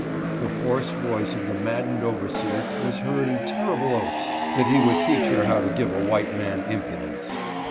the hoarse voice of the maddened overseer was heard in terrible oaths that he would teach her how to give a white man " impudence.'